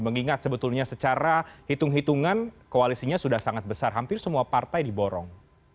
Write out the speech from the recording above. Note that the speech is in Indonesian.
mengingat sebetulnya secara hitung hitungan koalisinya sudah sangat besar hampir semua partai diborong